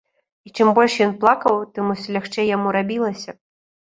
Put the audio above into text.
І чым больш ён плакаў, тым усё лягчэй яму рабілася.